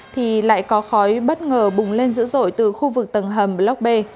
thì lại có khói bất ngờ bùng lên dữ dội từ khu vực tầng hầm block b